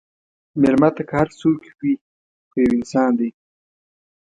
مېلمه ته که هر څوک وي، خو یو انسان دی.